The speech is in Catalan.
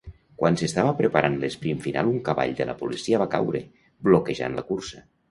Quan s'estava preparant l'esprint final un cavall de la policia va caure, bloquejant la cursa.